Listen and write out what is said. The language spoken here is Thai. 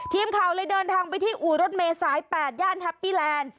ทีมข่าวเลยเดินทางไปที่อู่รถเมษาย๘ย่านแฮปปี้แลนด์